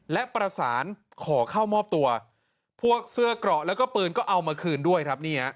และประสานขอเข้ามอบตัวพวกเสื้อเกราะแล้วก็ปืนก็เอามาคืนด้วยครับ